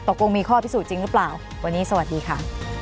ตกลงมีข้อพิสูจนจริงหรือเปล่าวันนี้สวัสดีค่ะ